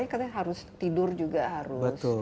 katanya harus tidur juga harus